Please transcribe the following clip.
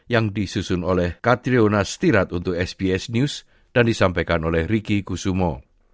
yang disusun oleh katriona setirat untuk sbs news dan disampaikan oleh riki kusumo